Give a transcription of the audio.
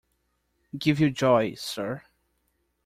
Give you joy, Sir.